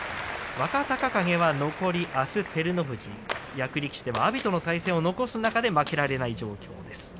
若隆景は残り、あす照ノ富士役力士で阿炎との対戦を残す中で負けられない状況です。